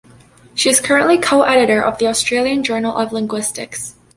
She is currently co-editor of the "Australian Journal of Linguistics".